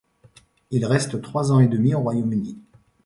Il reste trois ans et demi au Royaume-Uni.